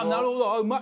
うまい！